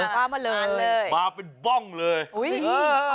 พามาเลยมาเป็นบ้องเลยอุ้ยเออ